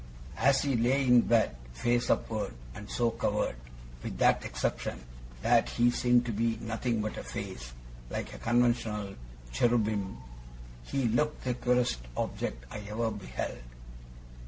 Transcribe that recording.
As he lay in bed, face upward, and so covered, with that exception, that he seemed to be nothing but a face like a conventional cherubim he looked the queerest object I ever beheld.